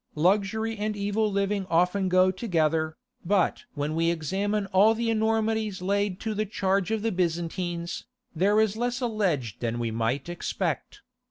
Luxury and evil living often go together, but when we examine all the enormities laid to the charge of the Byzantines, there is less alleged than we might expect.